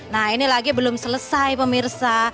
nah ini lagi belum selesai pemirsa